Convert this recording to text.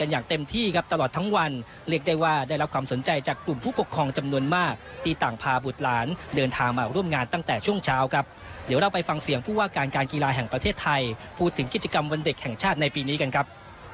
อย่างเต็มที่ครับตลอดทั้งวันเรียกได้ว่าได้รับความสนใจจากกลุ่มผู้ปกครองจำนวนมากที่ต่างพาบุตรหลานเดินทางมาร่วมงานตั้งแต่ช่วงเช้าครับเดี๋ยวเราไปฟังเสียงผู้ว่าการการกีฬาแห่งประเทศไทยพูดถึงกิจกรรมวันเด็กแห่งชาติในปีนี้กันครับ